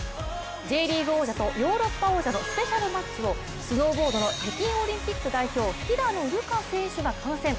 Ｊリーグ王者とヨーロッパ王者のスペシャルマッチをスノーボードの北京オリンピック代表、平野流佳選手が観戦。